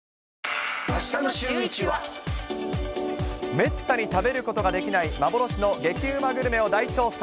めったに食べることができない幻の激うまグルメを大調査。